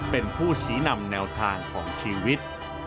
เป็นผู้ชี้นำแนวทางของชีวิต